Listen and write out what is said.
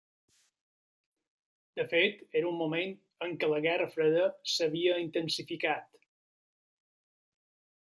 De fet, era un moment en què la Guerra Freda s'havia intensificat.